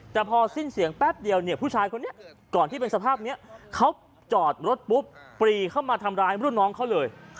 แต่พอสิ้นเสียงแป๊บเดียวเนี่ยผู้ชายคนนี้ก่อนที่เป็นสภาพนี้เขาจอดรถปุ๊บปรีเข้ามาทำร้ายรุ่นน้องเขาเลย